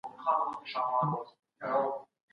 د ظالمانو